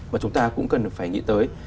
và chúng ta cũng cần phải nghĩ tới